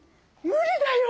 無理だよ！